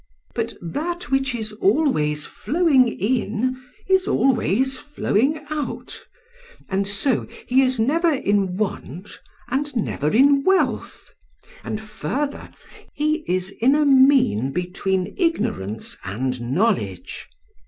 But that which is always flowing in is always flowing out, and so he is never in want and never in wealth; and, further, he is in a mean between ignorance and knowledge.